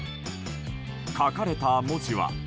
書かれた文字は。